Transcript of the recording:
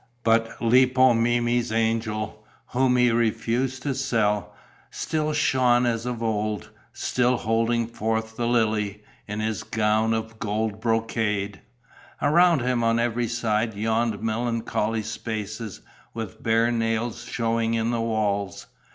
But Lippo Memmi's angel, whom he refused to sell, still shone as of old, still holding forth the lily, in his gown of gold brocade. Around him on every side yawned melancholy spaces, with bare nails showing in the walls.